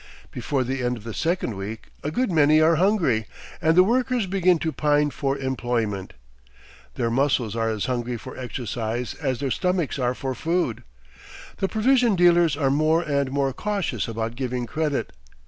Before the end of the second week a good many are hungry, and the workers begin to pine for employment. Their muscles are as hungry for exercise as their stomachs are for food. The provision dealers are more and more cautious about giving credit.